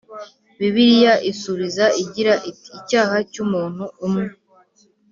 Bibiliya isubiza igira iti ‘icyaha cy’umuntu umwe